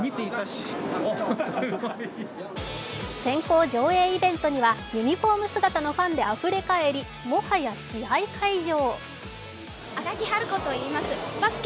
先行上映イベントにはユニフォーム姿のファンであふれかえりもはや試合会場。